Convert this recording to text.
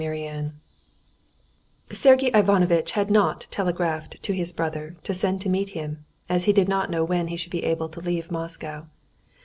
Chapter 6 Sergey Ivanovitch had not telegraphed to his brother to send to meet him, as he did not know when he should be able to leave Moscow.